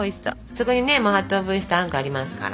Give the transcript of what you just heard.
そこにねもう８等分したあんこありますから。